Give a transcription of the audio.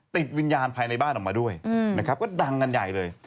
ติดวิญญาณภายในบ้านออกมาด้วยนะครับก็ดังกันใหญ่เลย